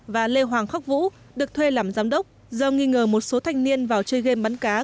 và lê hoàng khắc vũ được thuê làm giám đốc do nghi ngờ một số thanh niên vào chơi gam bắn cá